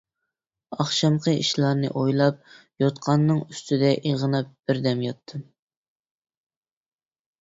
ئاخشامقى ئىشلارنى ئويلاپ يوتقاننىڭ ئۈستىدە ئېغىناپ بىردەم ياتتىم.